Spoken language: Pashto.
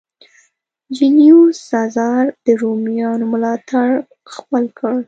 جیولیوس سزار د رومیانو ملاتړ خپل کړ.